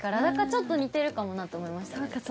ちょっと似てるかもなと思いました。